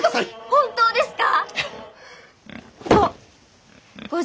本当ですか？